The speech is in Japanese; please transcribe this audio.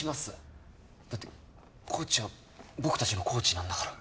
だってコーチは僕たちのコーチなんだから。